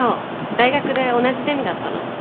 大学で同じゼミだったの。